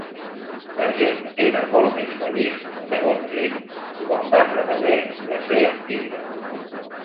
La gent era molt més feliç, segons ell, quan va prevaler la 'Fe antiga'.